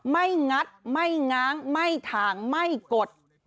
ไม่งัดไม่ง้างไม่ทางไม่กด